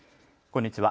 こんにちは。